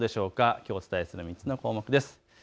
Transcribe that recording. きょうお伝えする３つの項目です。